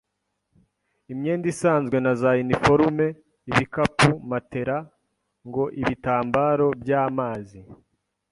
imyenda isanzwe na za uniforume , ibikapu, matera, ngo ibitambaro by’amazi